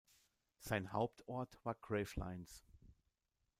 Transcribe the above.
Sein Hauptort war Gravelines.